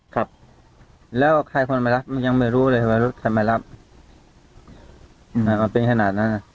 ครับแล้วใครคนมารับมันยังไม่รู้เลยว่าใครมารับมันเป็นขนาดนั้นอ่ะ